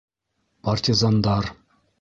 Партизандар